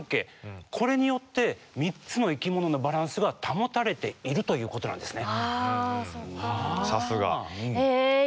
これによって３つの生きもののバランスが保たれているということなんですね。